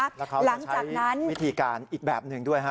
แล้วเขาจะใช้วิธีการอีกแบบหนึ่งด้วยฮะ